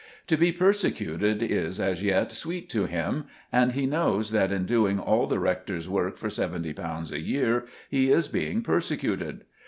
To be persecuted is as yet sweet to him, and he knows that in doing all the rector's work for seventy pounds a year he is being persecuted.